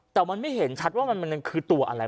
แต่มันไม่เห็นชัดว่ามันคือตัวอะไร